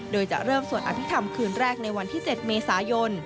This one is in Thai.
โดยจะเริ่มสวดอภิษฐรรมคืนแรกในวันที่๗เมษายน